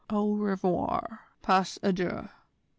Au revoir, pas adieu!"